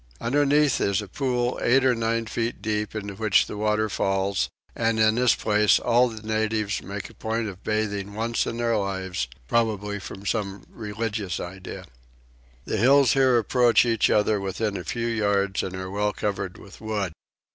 Underneath is a pool eight or nine feet deep into which the water falls; and in this place all the natives make a point of bathing once in their lives, probably from some religious idea. The hills here approach each other within a few yards and are well covered with wood.